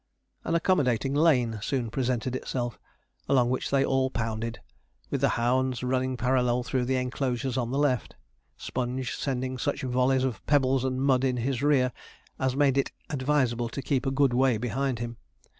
An accommodating lane soon presented itself, along which they all pounded, with the hounds running parallel through the enclosures on the left; Sponge sending such volleys of pebbles and mud in his rear as made it advisable to keep a good way behind him.